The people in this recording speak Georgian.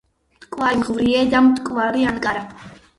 მტკვარი მღვრიე და მტკვარი ანკარა...